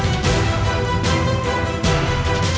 saya akan menjaga kebenaran raden